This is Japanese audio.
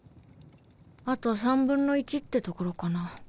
あと３分の１ってところかな。